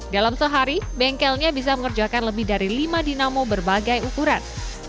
dalam sehari bengkelnya bisa mengerjakan lebih dari lima dinamo berbagai ukuran